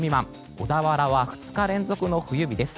小田原は２日連続の冬日です。